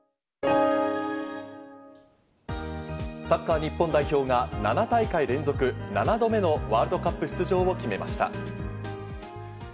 サッカー日本代表が７大会連続７度目のワールドカップ出場を決めました。